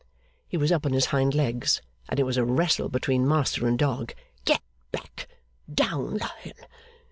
He was up on his hind legs, and it was a wrestle between master and dog. 'Get back! Down, Lion!